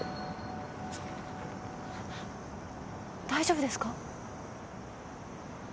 大丈夫ですか？